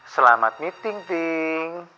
selamat meeting ting